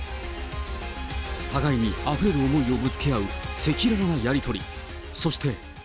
互いにあふれる思いをぶつけ合う、赤裸々なやり取り。